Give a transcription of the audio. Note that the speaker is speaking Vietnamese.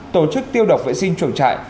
tổ chức tiêu độc vệ sinh trường trại